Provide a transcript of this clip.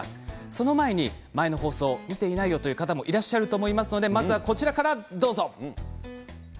その前に前の放送を見ていないよという方もいらっしゃると思いますのでこちらからどうぞ。